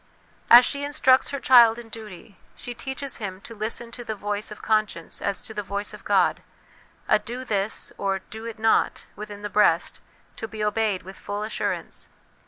As she instructs her child in duty, she teaches him to listen to the voice of conscience as to the voice of God, a ' Do this,' or ' Do it not/ within the breast, to be obeyed with full assurance.